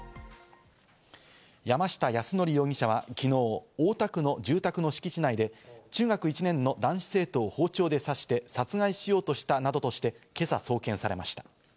山下泰範容疑者は昨日、大田区の住宅の敷地内で中学１年の男子生徒を包丁で刺して殺害しようとしたなどとして今朝、送検されました。